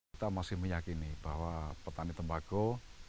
kita masih meyakini bahwa petani tembakau